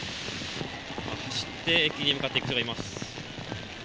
走って駅に向かっていく人がいます。